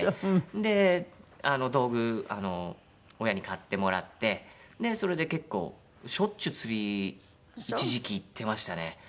で道具親に買ってもらってそれで結構しょっちゅう釣り一時期行ってましたね。